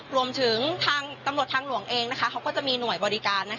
รวมถึงทางตำรวจทางหลวงเองเขาก็จะมีหน่วยบริการ